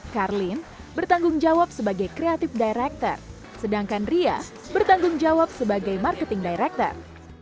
karlin bertanggung jawab sebagai creative director sedangkan ria bertanggung jawab sebagai marketing director